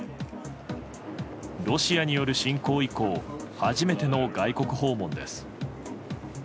ロシアによる侵攻以降初めての外国訪問です。